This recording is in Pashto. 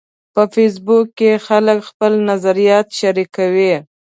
په فېسبوک کې خلک خپل نظریات شریکوي